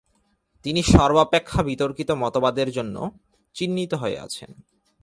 তিনি সর্বাপেক্ষা বিতর্কিত মতবাদের জন্য চিহ্নিত হয়ে আছেন।